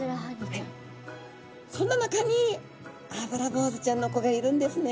そんな中にアブラボウズちゃんの子がいるんですね。